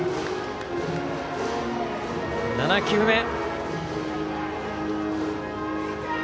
７球目。